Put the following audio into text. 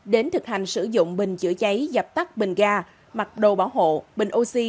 đến thực hành sử dụng bình chữa cháy dập tắt bình ga mặc đồ bảo hộ bình oxy